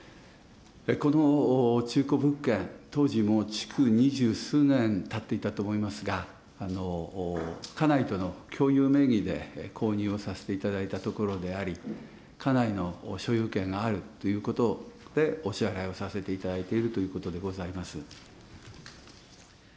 この中古物件、当時もう、築二十数年たっていたと思いますが、家内との共有名義で購入をさせていただいたところであり、家内の所有権があるということで、お支払いをさせていただいているということでございます。